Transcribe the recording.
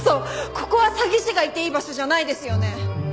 ここは詐欺師がいていい場所じゃないですよね！？